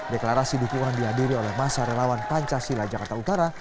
deklarasi dukungan dihadiri oleh masa relawan pancasila jakarta utara